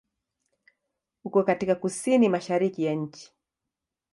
Uko katika kusini-mashariki ya nchi.